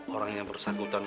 orang yang bersangkutan